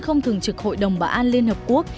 không thường trực hội đồng bảo an liên hợp quốc